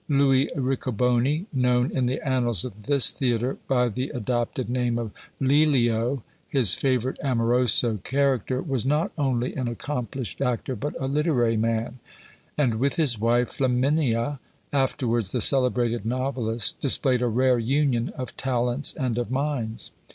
Louis Riccoboni, known in the annals of this theatre by the adopted name of Lelio, his favourite amoroso character, was not only an accomplished actor, but a literary man; and with his wife Flaminia, afterwards the celebrated novelist, displayed a rare union of talents and of minds.